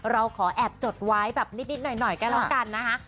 เราขอแอบจดไว้แบบนิดหน่อยก็แล้วกันนะคะ